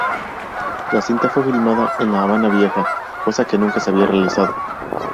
La cinta fue filmada en La Habana Vieja, cosa que nunca se había realizado.